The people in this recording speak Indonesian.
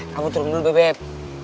kamu turun dulu beb